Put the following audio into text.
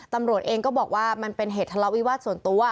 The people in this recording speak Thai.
ตำรวจเองก็บอกว่ามันเป็นเหตุทะเลาวิวาสส่วนตัว